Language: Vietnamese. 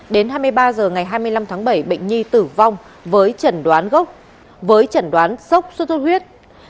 đến hai mươi ba h ngày hai mươi năm tháng bảy bệnh nhi tử vong với trần đoán gốc với trần đoán sốt sốt huyết